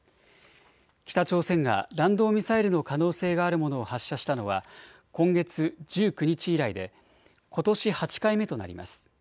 北朝鮮が弾道ミサイルの可能性があるものを発射したのは今月１９日以来でことし８回目となります。